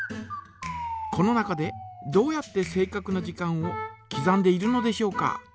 この中でどうやって正かくな時間をきざんでいるのでしょうか。